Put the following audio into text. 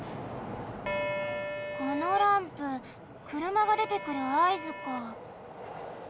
このランプくるまがでてくるあいずか。